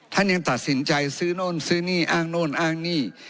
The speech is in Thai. ท่านยังตัดสินใจซื้อโน่นซื้อนี่อ้างโน่นอ้างนี่